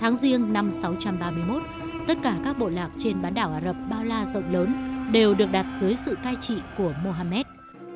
sáu tháng riêng năm sáu trăm ba mươi một tất cả các bộ lạc trên bán đảo ả rập bao la rộng lớn đều được đặt dưới sự cai trị của mohamed